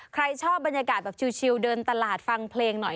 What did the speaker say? ใครชอบบรรยากาศแบบชิลเดินตลาดฟังเพลงหน่อย